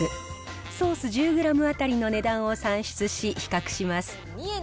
ソース１０グラム当たりの値段を算出し、比較します。